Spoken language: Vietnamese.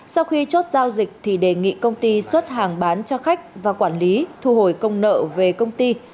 sau khi chốt giao dịch thì đề nghị công ty xuất hàng bán cho khách và quản lý thu hồi công nợ về công ty